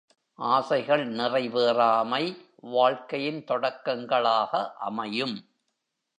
ஆசைகள் நிறைவேறாமை, வாழ்க்கையின் தொடக்கங்களாக அமையும்.